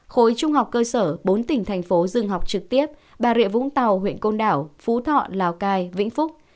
khối trung học cơ sở bốn tỉnh thành phố dừng học trực tiếp bà rịa vũng tàu huyện côn đảo phú thọ lào cai vĩnh phúc